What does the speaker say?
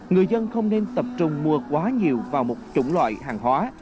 người dân không nên tập trung mua quá nhiều vào một chủng loại hàng hóa